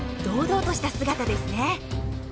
堂々とした姿ですね。